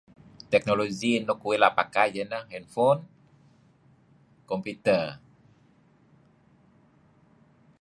Teknologi nuk uih ela' pakai idih neh handphone, computer.